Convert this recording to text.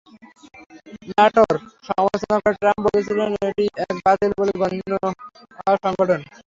ন্যাটোর সমালোচনা করে ট্রাম্প বলেছিলেন, এটি এখন বাতিল বলে গণ্য হওয়া সংগঠন।